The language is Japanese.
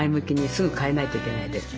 すぐ変えないといけないです。